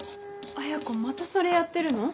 綾子またそれやってるの？